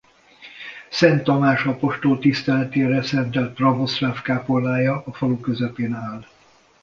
Szent Tamás apostol tiszteletére szentelt pravoszláv kápolnája a falu közepén áll.